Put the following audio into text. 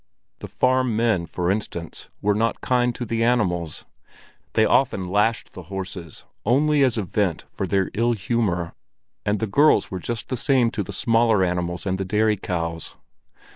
The farm men, for instance, were not kind to the animals. They often lashed the horses only as a vent for their ill humor, and the girls were just the same to the smaller animals and the dairy cows.